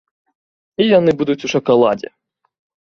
І яны будуць у шакаладзе!